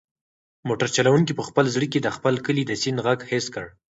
موټر چلونکي په خپل زړه کې د خپل کلي د سیند غږ حس کړ.